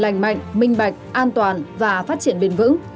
lành mạnh minh bạch an toàn và phát triển bền vững